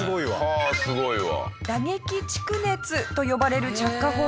はあすごいわ。